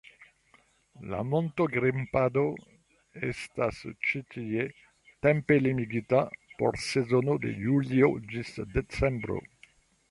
La montogripado estas ĉi tie tempe limigita por sezono de julio ĝis decembro.